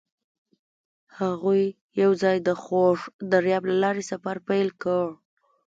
هغوی یوځای د خوږ دریاب له لارې سفر پیل کړ.